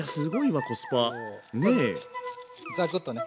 ザクッとね。